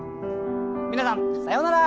皆さんさようなら。